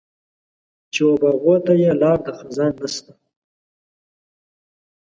چې و باغ وته یې لار د خزان نشته.